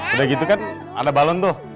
udah gitu kan ada balon tuh